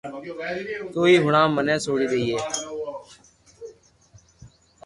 تو اي ھارو مني سوڙي ديئي